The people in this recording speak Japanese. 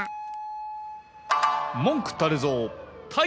たい